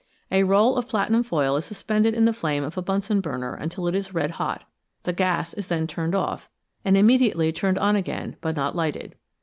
A roll of platinum foil is suspended in the flame of a Bunsen burner until it is red hot ; the gas is then turned off, and immediately turned on again, but not lighted.